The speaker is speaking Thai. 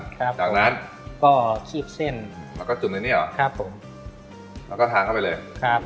ครับจากนั้นก็คีบเส้นแล้วก็จุดในเนี้ยหรอครับผมแล้วก็ทานเข้าไปเลยครับ